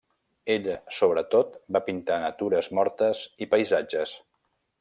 Ella, sobretot va pintar natures mortes i paisatges.